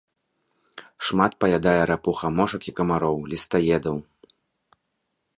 Шмат паядае рапуха мошак і камароў, лістаедаў.